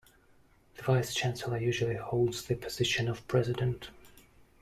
The vice-chancellor usually holds the position of president.